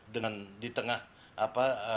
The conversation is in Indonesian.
dengan di tengah apa